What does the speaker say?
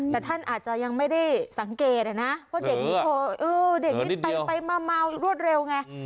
แต่ท่านอาจจะยังไม่ได้สังเกตนะเหลือนิดเดียวไปรวดเร็วไง